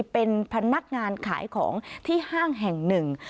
เป็นพนักงานขายของที่ห้างแห่งหนึ่ง